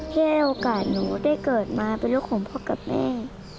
ให้โอกาสหนูได้เกิดมาเป็นลูกของพ่อกับแม่